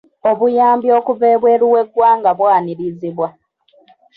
Obuyambi okuva ebweru w'eggwanga bwanirizibwa.